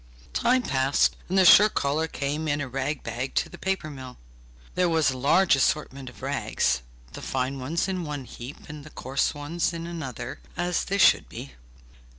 Time passed, and the shirt collar came in a rag bag to the paper mill. There was a large assortment of rags, the fine ones in one heap, and the coarse ones in another, as they should be.